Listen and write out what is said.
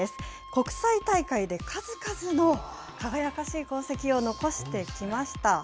国際大会で数々の輝かしい功績を残してきました。